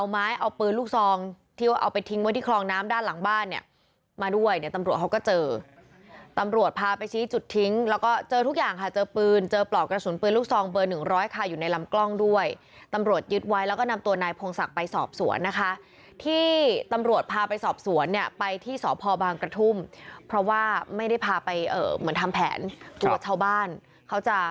มาด้วยเนี่ยตำรวจเขาก็เจอตำรวจพาไปชี้จุดทิ้งแล้วก็เจอทุกอย่างค่ะเจอปืนเจอปลอกกระสุนปืนลูกซองเบอร์หนึ่งร้อยค่ะอยู่ในลำกล้องด้วยตำรวจยึดไว้แล้วก็นำตัวนายพงศักดิ์ไปสอบสวนนะคะที่ตำรวจพาไปสอบสวนเนี่ยไปที่สภบางกระทุ่มเพราะว่าไม่ได้พาไปเอ่อเหมือนทำแผนตัวเช้